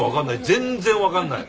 全然分かんない。